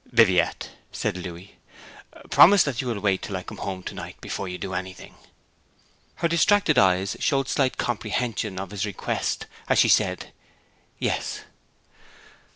'Viviette,' said Louis, 'promise that you will wait till I come home to night, before you do anything.' Her distracted eyes showed slight comprehension of his request as she said 'Yes.'